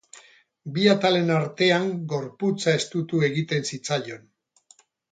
Bi atalen artean gorputza estutu egiten zitzaion.